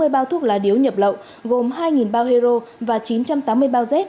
chín trăm tám mươi bao thuốc lá điếu nhập lộ gồm hai bao hero và chín trăm tám mươi bao z